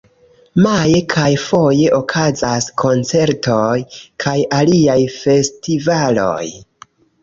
Maje kaj foje okazas koncertoj kaj aliaj festivaloj.